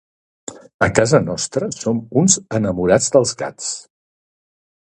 A casa nostra som uns enamorats dels gats.